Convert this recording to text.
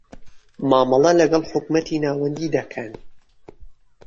مامەڵە لەکەڵ حکومەتی ناوەندی دەکەن.